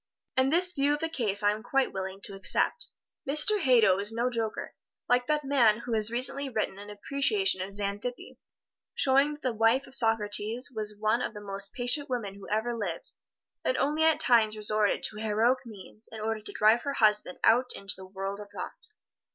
And this view of the case I am quite willing to accept. Mr. Hadow is no joker, like that man who has recently written an appreciation of Xantippe, showing that the wife of Socrates was one of the most patient women who ever lived, and only at times resorted to heroic means in order to drive her husband out into the world of thought.